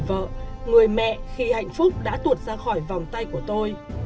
vợ người mẹ khi hạnh phúc đã tuột ra khỏi vòng tay của tôi